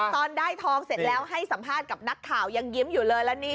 ตอนได้ทองเสร็จแล้วให้สัมภาษณ์กับนักข่าวยังยิ้มอยู่เลยแล้วนี่